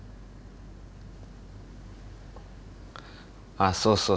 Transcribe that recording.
ああそうそう